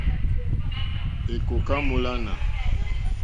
Èkòká mólánà.